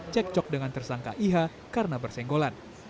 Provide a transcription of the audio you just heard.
cekcok dengan tersangka iha karena bersenggolan